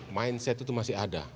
mindset itu masih ada